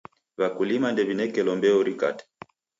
W'akulima ndew'inekelo mbeu rikate.